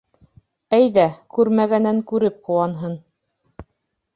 Әйҙә, күрмәгәнен күреп ҡыуанһын.